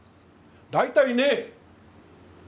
大体ね。